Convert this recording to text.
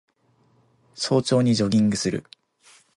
早朝にジョギングする